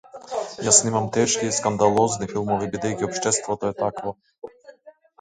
Јас снимам тешки и скандалозни филмови бидејќи општеството е такво.